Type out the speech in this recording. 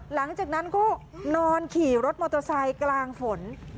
หลังจากนั้นก็นอนขี่รถมอเตอร์ไซค์กลางฝน